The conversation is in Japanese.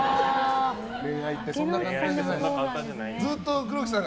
恋愛ってそんな簡単じゃないんだ。